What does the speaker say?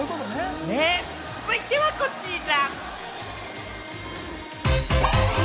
続いては、こちら。